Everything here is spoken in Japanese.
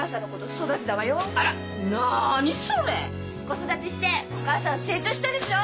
子育てしてお母さん成長したでしょ？